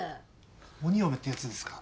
鬼嫁ってやつですか？